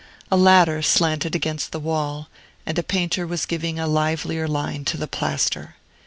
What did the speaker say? A ladder slanted against the wall, and a painter was giving a livelier line to the plaster.